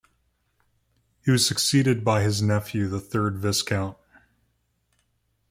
He was succeeded by his nephew, the third Viscount.